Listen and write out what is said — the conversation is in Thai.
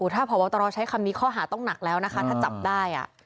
ถ้าพบตรใช้คำนี้ข้อหาต้องหนักแล้วนะคะถ้าจับได้